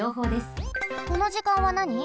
この時間はなに？